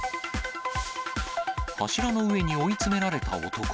柱の上に追い詰められた男。